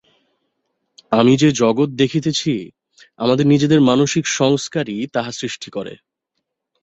আমরা যে-জগৎ দেখিতেছি, আমাদের নিজেদের মানসিক সংস্কারই তাহা সৃষ্টি করে।